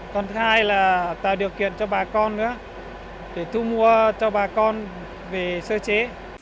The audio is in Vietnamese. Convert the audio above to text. còn thứ hai là tạo điều kiện cho bà con nữa để thu mua cho bà con về sơ chế